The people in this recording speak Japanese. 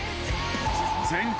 ［全国